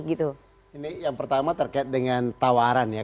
ini yang pertama terkait dengan tawaran ya